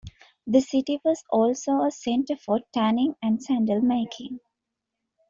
The city was also a center for tanning and sandal making.